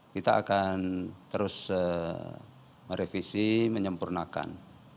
kita akan terus merevisi menyempurnakan